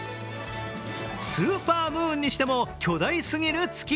スーパームーンにしても巨大すぎる月。